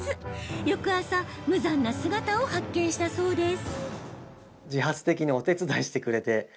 翌朝、無残な姿を発見したそうです。